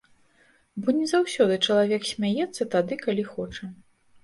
Бо не заўсёды чалавек смяецца тады, калі хоча.